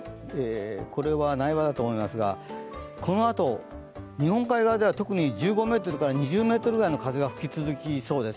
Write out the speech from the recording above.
これは苗場だと思いますがこのあと、日本海側では特に１５メートルから２０メートルぐらいの風が吹きそうです。